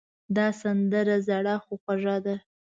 دا سندره زړې خو خوږه ده.